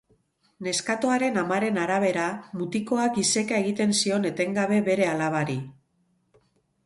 Neskatoaren amaren arabera, mutikoak iseka egiten zion etengabe bere alabari.